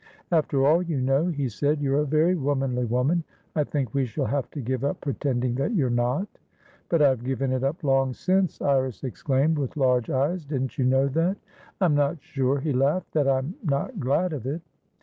"After all, you know," he said, "you're a very womanly woman. I think we shall have to give up pretending that you're not." "But I've given it up long since!" Iris exclaimed, with large eyes. "Didn't you know that?" "I'm not sure" he laughed"that I'm not glad of it."